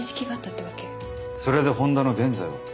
それで本田の現在は？